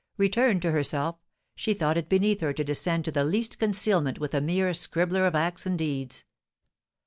Returned to herself, she thought it beneath her to descend to the least concealment with a mere scribbler of acts and deeds.